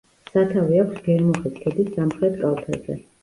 სათავე აქვს გერმუხის ქედის სამხრეთ კალთაზე.